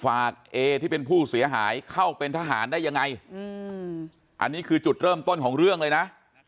เอที่เป็นผู้เสียหายเข้าเป็นทหารได้ยังไงอันนี้คือจุดเริ่มต้นของเรื่องเลยนะ